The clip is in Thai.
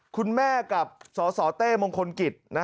คุณแม่กับสสเต้มงคลกิจ